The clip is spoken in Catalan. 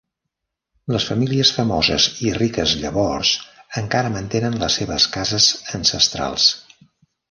Les famílies famoses i riques llavors encara mantenen les seves cases ancestrals.